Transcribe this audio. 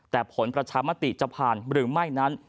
แต่ผลประชามติจะผ่านหรือไม่นั้น